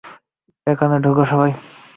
এখানে ঢোকো সবাই।